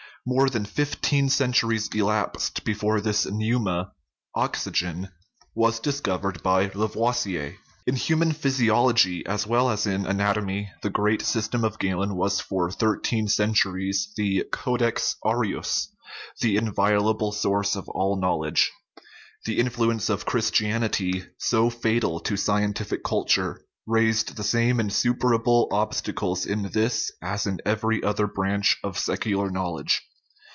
More than fifteen centuries elapsed before this pneuma oxygen was discovered by Lavoisier. In human physiology, as well as in anatomy, the THE RIDDLE OF THE UNIVERSE great system of Galen was for thirteen centuries the Codex aureus, the inviolable source of all knowledge. The influence of Christianity, so fatal to scientific culture, raised the same insuperable obstacles in this as in every other branch of secular knowledge.